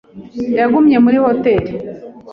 Yagumye muri hoteri.